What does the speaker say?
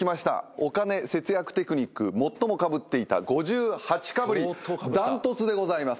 お金節約テクニック最もかぶっていた５８かぶり断トツでございます。